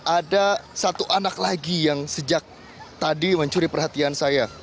ada satu anak lagi yang sejak tadi mencuri perhatian saya